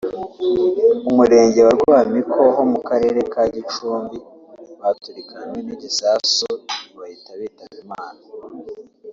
Umurenge wa Rwamiko ho mu Karere ka Gicumbi baturikanywe n’igisasu bahita bitaba Imana